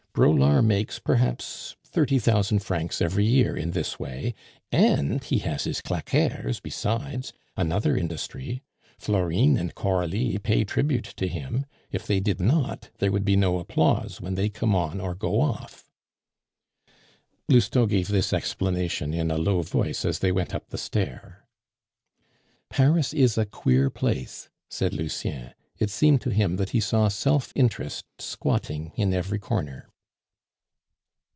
Braulard makes, perhaps, thirty thousand francs every year in this way, and he has his claqueurs besides, another industry. Florine and Coralie pay tribute to him; if they did not, there would be no applause when they come on or go off." Lousteau gave this explanation in a low voice as they went up the stair. "Paris is a queer place," said Lucien; it seemed to him that he saw self interest squatting in every corner.